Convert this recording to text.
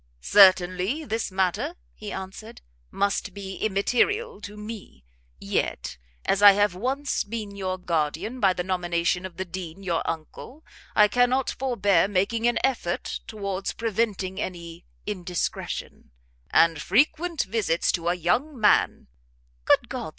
"Certainly this matter," he answered, "must be immaterial to me: yet, as I have once been your guardian by the nomination of the Dean your uncle, I cannot forbear making an effort towards preventing any indiscretion: and frequent visits to a young man " "Good God!